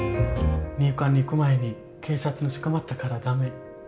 入管に行く前に警察に捕まったから駄目。